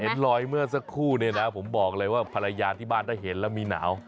เห็นลอยเมื่อสักครู่เนี่ยนะผมบอกเลยว่าภรรยาที่บ้านได้เห็นแล้วมีหนาว